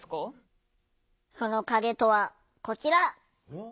その影とはこちら！